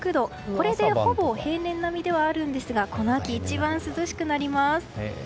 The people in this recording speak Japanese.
これでほぼ平年並みではあるんですがこの秋一番涼しくなります。